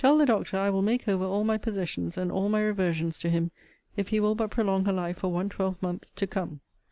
Tell the doctor I will make over all my possessions, and all my reversions, to him, if he will but prolong her life for one twelvemonth to come.